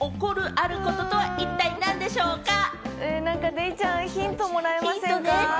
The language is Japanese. デイちゃん、ヒントもらえますか？